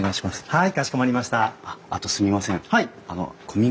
はい。